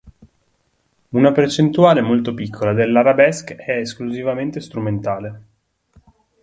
Una percentuale molto piccola dell'Arabesk è esclusivamente strumentale.